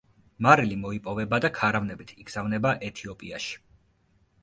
მარილი მოიპოვება და ქარავნებით იგზავნება ეთიოპიაში.